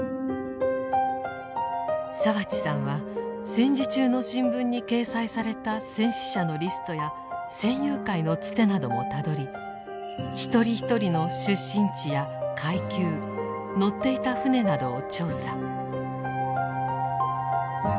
澤地さんは戦時中の新聞に掲載された戦死者のリストや戦友会のつてなどもたどり一人一人の出身地や階級乗っていた艦船などを調査。